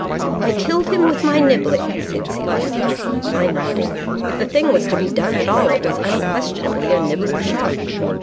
"I killed him with my niblick," said Celia. I nodded. If the thing was to be done at all, it was unquestionably a niblick shot.